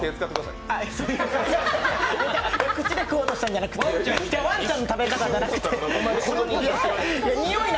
いや、口で食おうとしたんじゃなくて、ワンちゃんの食べ方じゃなくて、匂いを。